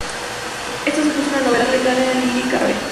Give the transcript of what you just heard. Esto supuso una novedad radical en la lírica árabe.